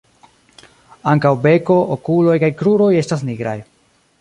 Ankaŭ beko, okuloj kaj kruroj estas nigraj.